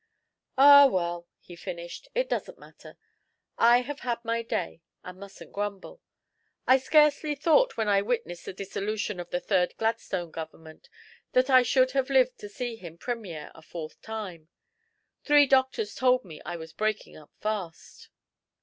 "Ah, well!" he finished, "it doesn't matter. I have had my day, and mustn't grumble. I scarcely thought, when I witnessed the dissolution of the third Gladstone Government, that I should have lived to see him Premier a fourth time. Three doctors told me I was breaking up fast."